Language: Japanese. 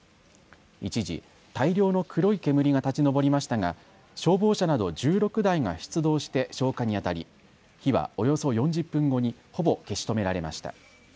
一時大量の黒い煙が立ち上りましたが消防車など１６台が出動して消火にあたり、火はおよそ４０分後にほぼ消し止められました。